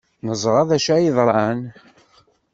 Neẓra d acu ay yeḍran.